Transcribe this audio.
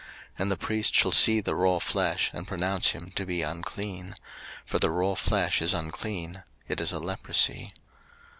03:013:015 And the priest shall see the raw flesh, and pronounce him to be unclean: for the raw flesh is unclean: it is a leprosy.